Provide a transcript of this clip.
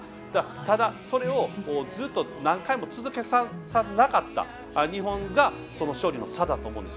ただ、それをずっと何回も続けさせなかった日本が勝利の差だと思うんです。